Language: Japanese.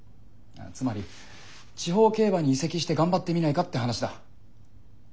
つまり地方競馬に移籍して頑張ってみないかって話だ。